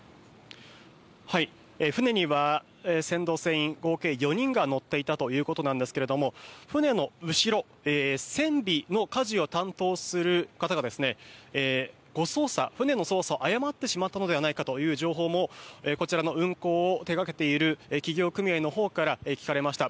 船には船頭、船員合計４人が乗っていたということですが船の後ろ船尾のかじを担当する方が誤操作、船の操作を誤ってしまったのではないかという情報も、運航を手掛けている企業組合のほうから聞かれました。